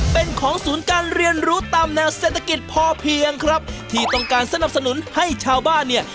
เป็นของศูนย์การเรียนรู้ตามแนวเศรษฐกิจพอเพียงครับที่ต้องการสนับสนุนให้ชาวบ้านเนี่ย